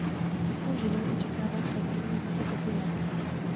Se svou ženou očekává své první dítě toto jaro.